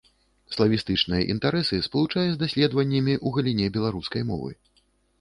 Славістычныя інтарэсы спалучае з даследаваннямі ў галіне беларускай мовы.